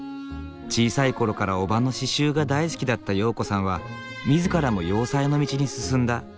小さい頃からおばの刺しゅうが大好きだった容子さんは自らも洋裁の道に進んだ。